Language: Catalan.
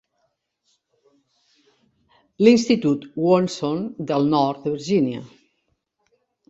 L'Institut Woodson del nord de Virginia.